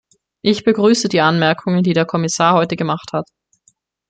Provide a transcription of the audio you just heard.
Ich begrüße die Anmerkungen, die der Kommissar heute gemacht hat.